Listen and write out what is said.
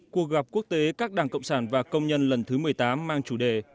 cuộc gặp quốc tế các đảng cộng sản và công nhân lần thứ một mươi tám mang chủ đề